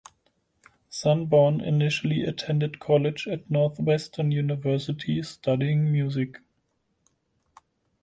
Sanborn initially attended college at Northwestern University, studying music.